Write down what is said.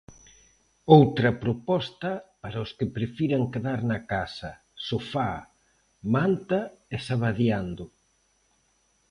Outra proposta para os que prefiran quedar na casa: sofá, manta e Sabadeando.